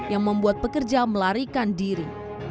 yang membuat pekerja melarikan diri